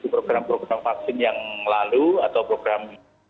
program program vaksin yang lalu atau program